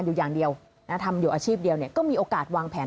เรื่องความรักไม่ได้บอกมาว่าสถานะไหน